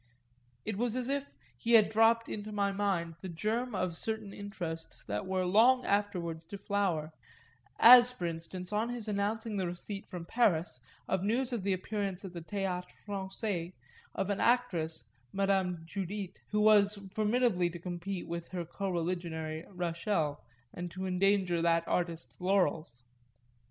It was as if he had dropped into my mind the germ of certain interests that were long afterwards to flower as for instance on his announcing the receipt from Paris of news of the appearance at the Théâtre Français of an actress, Madame Judith, who was formidably to compete with her coreligionary Rachel and to endanger that artist's laurels.